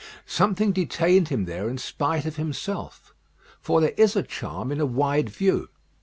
Something detained him there in spite of himself, for there is a charm in a wide view.